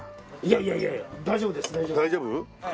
いやいや大丈夫です大丈夫です。